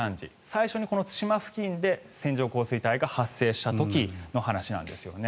最初に対馬付近で線状降水帯が発生した時の話なんですね。